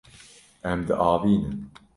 Em diavînin.